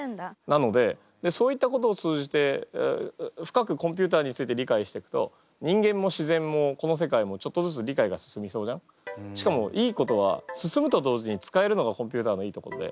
なのでそういったことを通じて深くコンピューターについて理解していくとしかもいいことは進むと同時に使えるのがコンピューターのいいところで。